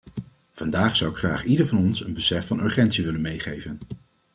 Vandaag zou ik graag ieder van ons een besef van urgentie willen meegeven.